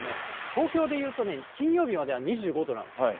東京でいうとね、金曜日までは２５度なんです。